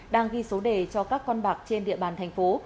đang ghi số đề cho các con bạc trên địa bàn thành phố